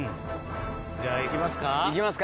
じゃあ行きますか。